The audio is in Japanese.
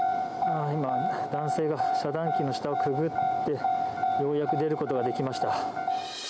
ああ、今、男性が、遮断機の下をくぐって、ようやく出ることができました。